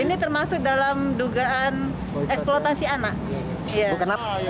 ini termasuk dalam dugaan eksploitasi anak